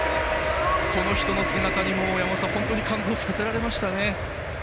この人の姿にも本当に感動させられましたね。